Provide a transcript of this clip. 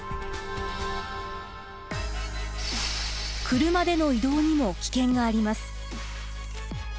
車での移動にも危険があります。